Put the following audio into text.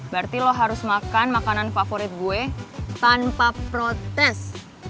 berarti lo harus makan makanan favorit gue tanpa protes